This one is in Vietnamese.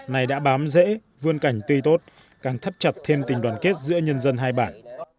này đã bám dễ vươn cảnh tươi tốt càng thấp chặt thêm tình đoàn kết giữa nhân dân hai bản